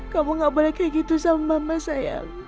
kamu gak boleh kayak gitu sama mama saya